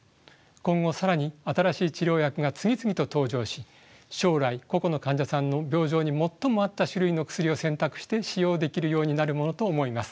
今後更に新しい治療薬が次々と登場し将来個々の患者さんの病状に最も合った種類の薬を選択して使用できるようになるものと思います。